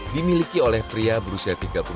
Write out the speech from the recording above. dimiliki oleh pria berusia tiga puluh tahun